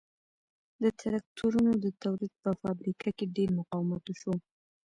د ترکتورونو د تولید په فابریکه کې ډېر مقاومت وشو